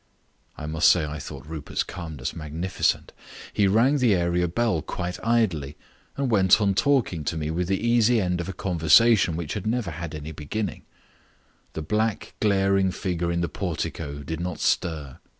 I must say I thought Rupert's calmness magnificent. He rang the area bell quite idly, and went on talking to me with the easy end of a conversation which had never had any beginning. The black glaring figure in the portico did not stir.